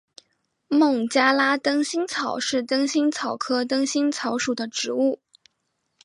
孟加拉灯心草是灯心草科灯心草属的植物。